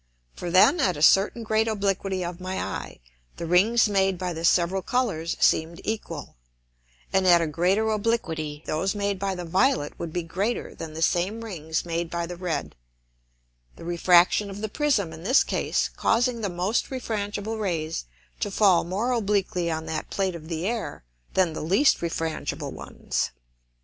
For then at a certain great obliquity of my Eye, the Rings made by the several Colours seem'd equal, and at a greater obliquity those made by the violet would be greater than the same Rings made by the red: the Refraction of the Prism in this case causing the most refrangible Rays to fall more obliquely on that plate of the Air than the least refrangible ones.